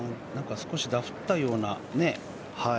少しダフったような。